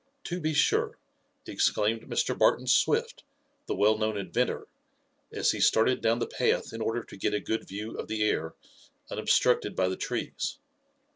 To be sure!" exclaimed Mr. Barton Swift, the well known inventor, as he started down the path in order to get a good view of the air, unobstructed by the trees.